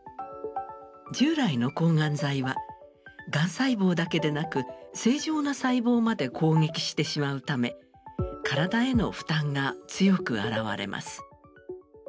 従来の抗がん剤はがん細胞だけでなく正常な細胞まで攻撃してしまうため体への負担が強く現れます。